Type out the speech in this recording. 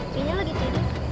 pinya lagi jadi